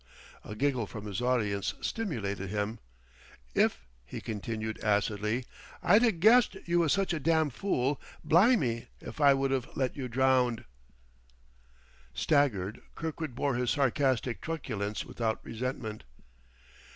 A giggle from his audience stimulated him. "If," he continued acidly, "I'd a guessed you was such a damn' fool, blimmy if I wouldn't've let you drownd!" Staggered, Kirkwood bore his sarcastic truculence without resentment.